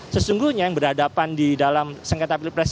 sesungguhnya yang berhadapan di dalam sengketa pilpres